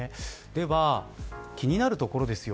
では、気になるところです。